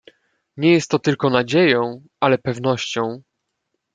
"nie jest to tylko nadzieją, ale pewnością."